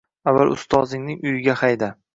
Avval Ustozning uyiga hayda.